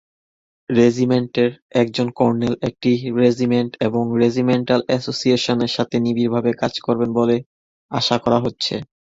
রেজিমেন্টের একজন কর্নেল একটি রেজিমেন্ট এবং এর রেজিমেন্টাল অ্যাসোসিয়েশনের সাথে নিবিড়ভাবে কাজ করবেন বলে আশা করা হচ্ছে।